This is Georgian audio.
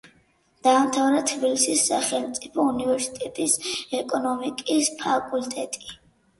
დაამთავრა თბილისის სახელმწიფო უნივერსიტეტის ეკონომიკის ფაკულტეტი.